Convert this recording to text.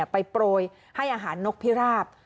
โปรยให้อาหารนกพิราบ